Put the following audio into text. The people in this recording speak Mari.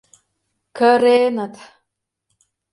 — Кыреныт...